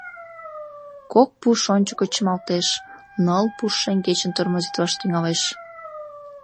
Кок пуш ончыко чымалтеш, ныл пуш шеҥгечын тормозитлаш тӱҥалеш.